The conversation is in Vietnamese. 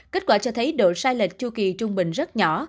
kết quả cho thấy độ sai lệch chu kỳ trung bình rất nhỏ